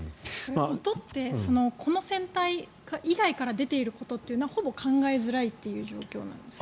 音って、この船体以外から出ているということはほぼ考えづらい状況なんですか？